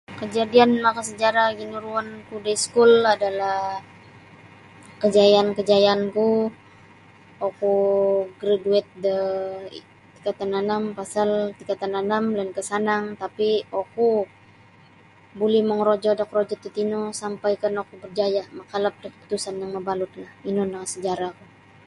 Kejadian lakas sejarah ginuruonku di iskul adalah kejayaan-kejayaanku okuu graduate daa tingkatan anam pasal tingkatan anam lan ka sanang tapi oku buli mongorojo do korojo to tino sampaikan oku berjaya makalap da kaputusan yang mabalut la inu no sajarahku